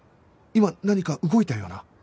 今何か動いたような